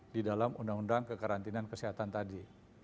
di dalam undang undang kekarantinaan kesehatan tadi